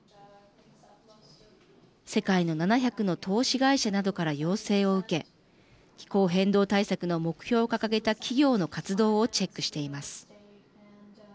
世界の７００の投資会社などから要請を受け気候変動対策の目標を掲げた企業の活動をチェックしています。